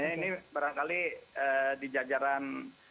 ini berkali di jajaran